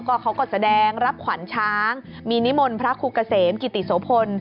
เขาก็แสดงรับขวัญช้างมีนิมนต์พระครูเกษมกิติโสพล